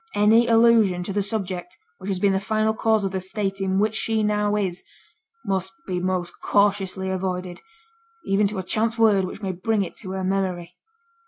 Any allusion to the subject which has been the final cause of the state in which she now is must be most cautiously avoided, even to a chance word which may bring it to her memory.'